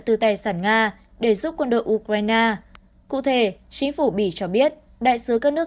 từ tài sản nga để giúp quân đội ukraine cụ thể chính phủ bỉ cho biết đại sứ các nước